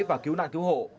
và cứu đàn cứu hộ